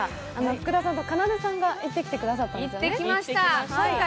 福田さんとかなでさんが行ってきてくださったんですよね。